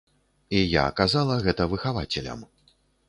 І я казала гэта выхавацелям.